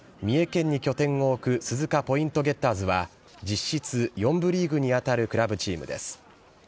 三重県に拠点を置く鈴鹿ポイントゲッターズは実質４部リーグに当たるクラブチームです。